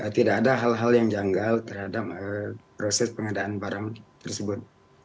tidak ada hal hal yang janggal terhadap proses pengadaan barang tersebut